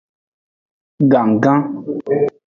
Gangan.